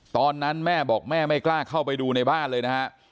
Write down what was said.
ตอนนั้นแม่บอกแม่ไม่กล้าเข้าไปดูในบ้านเลยนะฮะ